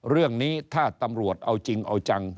เรื่องนี้ถ้าตำรวจเอาจริงเอาจัง